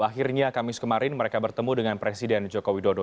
akhirnya kamis kemarin mereka bertemu dengan presiden jokowi dodo